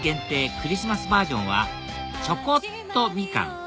クリスマスバージョンはチョコっとみかん